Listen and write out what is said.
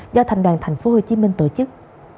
do thành đoàn tp hcm tổ chức